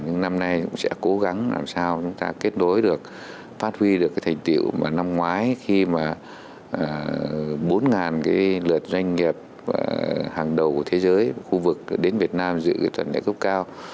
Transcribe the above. nhưng năm nay cũng sẽ cố gắng làm sao chúng ta kết nối được phát huy được cái thành tiệu mà năm ngoái khi mà bốn cái lượt doanh nghiệp hàng đầu của thế giới khu vực đến việt nam giữ trần đại cấp cao